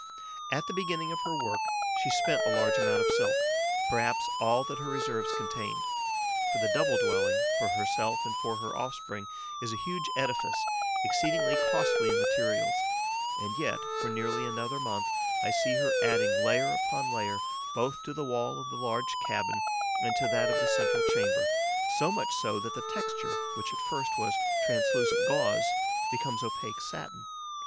At the beginning of her work, she spent a large amount of silk, perhaps all that her reserves contained; for the double dwelling for herself and for her offspring is a huge edifice, exceedingly costly in materials; and yet, for nearly another month, I see her adding layer upon layer both to the wall of the large cabin and to that of the central chamber, so much so that the texture, which at first was translucent gauze, becomes opaque satin.